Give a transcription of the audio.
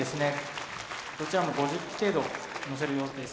どちらも５０機程度のせるようです。